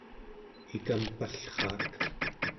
ikampallraak